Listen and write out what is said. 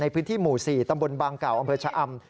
พื้นที่หมู่๔ตำบลบางเก่าอำเภอชะอำ